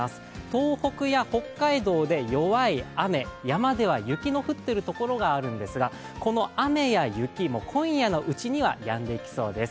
東北や北海道で弱い雨、山では雪の降っているところがあるんですが、この雨や雪、今夜のうちにはやんでいきそうです。